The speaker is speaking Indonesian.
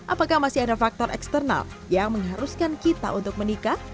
apakah masih ada faktor eksternal yang mengharuskan kita untuk menikah